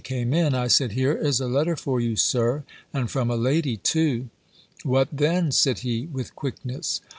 came in, I said, "Here is a letter for you. Sir; and from a lady too!" "What then," said he, with quickness.